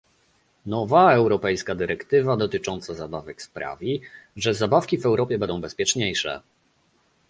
Nowa europejska dyrektywa dotycząca zabawek sprawi, że zabawki w Europie będą bezpieczniejsze